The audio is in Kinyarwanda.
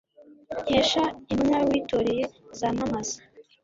nkesha intumwa witoreye, zamamaza